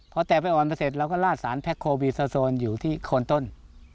พอแตกไปอ่อนไปเสร็จเราก็ลาดสารแพ็คโควีซาโซนอยู่ที่โคนต้น